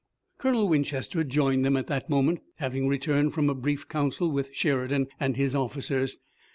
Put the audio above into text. Colonel Winchester joined them at that moment, having returned from a brief council with Sheridan and his officers.